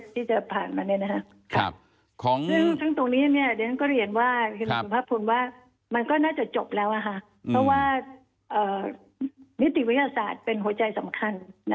ซึ่งตรงนี้เดี๋ยวก็เห็นว่ามันก็น่าจะจบแล้วเพราะว่านิติวิทยาศาสตร์เป็นหัวใจสำคัญ